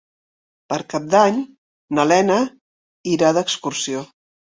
Per Cap d'Any na Lena irà d'excursió.